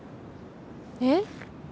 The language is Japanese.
えっ？